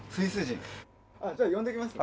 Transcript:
じゃあ呼んできますね。